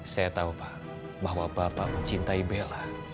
saya tahu pak bahwa bapak mencintai bella